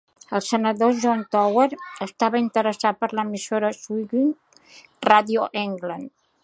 El senador John Tower estava interessat per l'emissora Swinging Radio England.